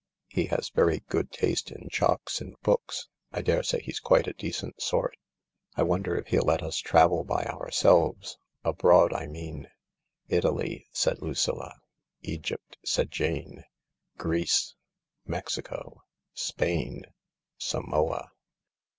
He had very good taste in chocs, and books. I daresay he's quite a decent sort. I wonder if he'll let us travel by ourselves ? Abroad, I mean ?" "Italy," said Lucilla. "Egypt," said Jane, "Greece." " Mexico." " Spain." " Samoa."